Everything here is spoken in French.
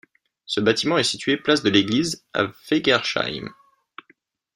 Ce bâtiment est situé place de l'Église à Fegersheim.